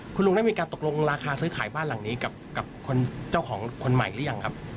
คุณลุงได้มีการตกลงราคาซื้อขายบ้านหลังนี้กับเจ้าของคนใหม่หรือยังครับ